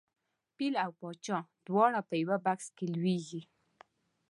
فیل او پاچا دواړه په یوه بکس کې لویږي.